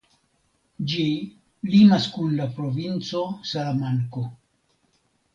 Ĝi limas kun la provinco Salamanko.